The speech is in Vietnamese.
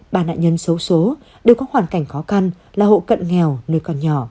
ba nạn nhân số số đều có hoàn cảnh khó khăn là hộ cận nghèo nơi còn nhỏ